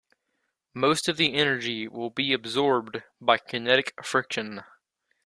Most of the energy will be absorbed by kinetic friction.